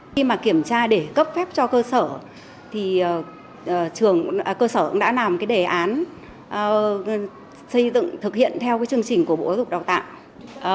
khi mà kiểm tra để cấp phép cho cơ sở thì trường cơ sở cũng đã làm cái đề án xây dựng thực hiện theo chương trình của bộ giáo dục đào tạo